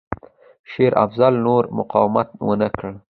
شېر افضل نور مقاومت ونه کړ.